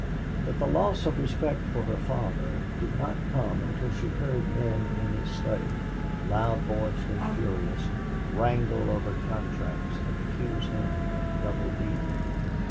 But the loss of respect for her father did not come until she heard men in his study, loud voiced and furious, wrangle over contracts and accuse him of double dealing.